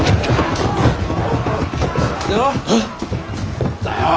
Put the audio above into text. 何だよ！